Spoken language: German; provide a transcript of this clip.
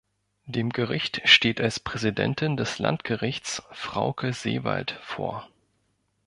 Dem Gericht steht als Präsidentin des Landgerichts Frauke Seewald vor.